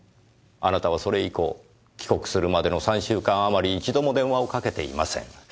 あなたはそれ以降帰国するまでの３週間あまり一度も電話をかけていません。